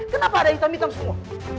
kenapa ada hitam hitam semua